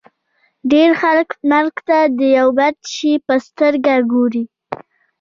ډېر خلک مرګ ته د یوه بد شي په سترګه ګوري